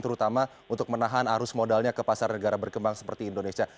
terutama untuk menahan arus modalnya ke pasar negara berkembang seperti indonesia